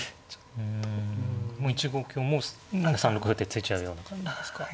うん１五香も３六歩って突いちゃうような感じですか。